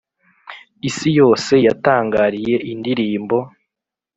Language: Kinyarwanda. Isi yose yatangariye indirimbo,